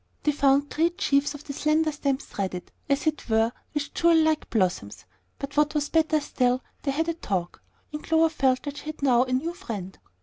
They found great sheaves of the slender stems threaded, as it were, with jewel like blossoms; but what was better still, they had a talk, and Clover felt that she had now a new friend.